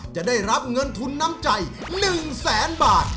จะได้รับเงินทุนน้ำใจ๑แสนบาท